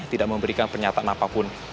tidak memberikan pernyataan apapun